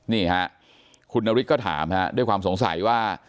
นี่ฮะคุณนฤทธิก็ถามด้วยความสงสัยว่า